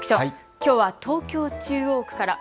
きょうは東京中央区から。